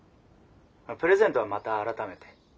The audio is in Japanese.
☎プレゼントはまた改めて。